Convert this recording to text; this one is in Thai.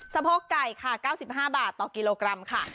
โพกไก่ค่ะ๙๕บาทต่อกิโลกรัมค่ะ